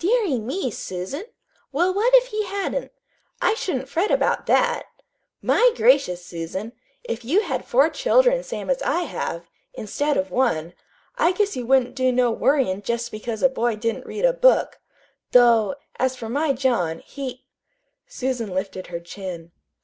"Deary me, Susan! Well, what if he hadn't? I shouldn't fret about that. My gracious, Susan, if you had four children same as I have, instead of one, I guess you wouldn't do no worryin' jest because a boy didn't read a book. Though, as for my John, he " Susan lifted her chin.